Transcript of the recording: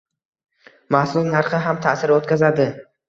Mahsulot narxi ham ta’sir o‘tkazadi.